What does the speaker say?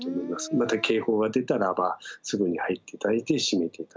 また警報が出たらばすぐに入って頂いて閉めて頂く。